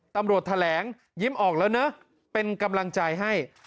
ตำรวจแถลงยิ้มออกแล้วนะเป็นกำลังใจให้